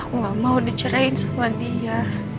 aku gak mau dicerahin sama dia